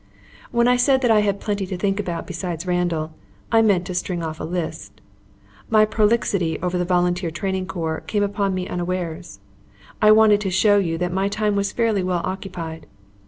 When I said that I had plenty to think about besides Randall, I meant to string off a list. My prolixity over the Volunteer Training Corps came upon me unawares. I wanted to show you that my time was fairly well occupied.